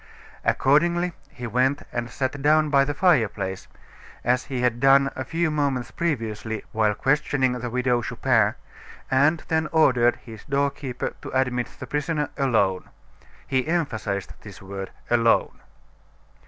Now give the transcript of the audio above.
Accordingly, he went and sat down by the fireplace as he had done a few moments previously while questioning the Widow Chupin and then ordered his door keeper to admit the prisoner alone. He emphasized this word "alone."